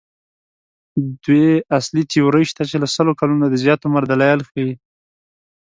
دوې اصلي تیورۍ شته چې له سلو کلونو د زیات عمر دلایل ښيي.